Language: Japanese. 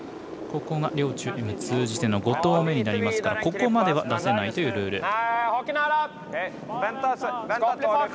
ここが両チーム通じての５投目になりますからここまでは出せないというルール。